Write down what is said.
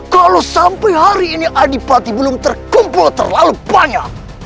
kalau sampai hari ini adipati belum terkumpul terlalu banyak